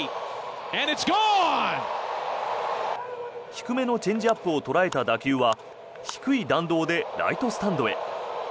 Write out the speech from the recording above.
低めのチェンジアップを捉えた打球は低い弾道でライトスタンドへ。